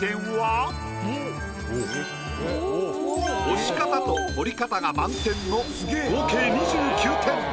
押し方と彫り方が満点の合計２９点。